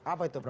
apa itu pak